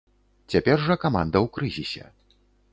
Цяпер жа каманда ў крызісе.